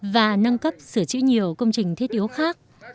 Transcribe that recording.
và nâng cấp sửa chữa nhiều công trình thiết yếu khác